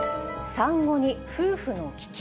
産後に夫婦の危機。